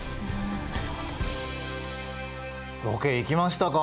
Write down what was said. ロケ行きましたか。